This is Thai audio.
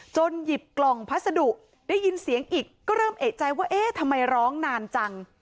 หยิบกล่องพัสดุได้ยินเสียงอีกก็เริ่มเอกใจว่าเอ๊ะทำไมร้องนานจัง